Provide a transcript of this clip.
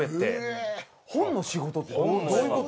本の仕事ってどういう事？